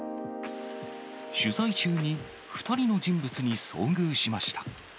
取材中に、２人の人物に遭遇しました。